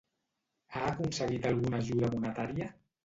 Ha aconseguit alguna ajuda monetària?